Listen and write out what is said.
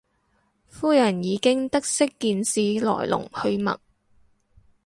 夫人已經得悉件事來龍去脈